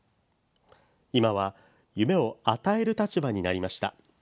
今は夢を与える立場になりました。